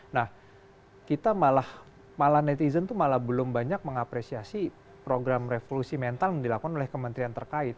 nah kita malah netizen itu malah belum banyak mengapresiasi program revolusi mental yang dilakukan oleh kementerian terkait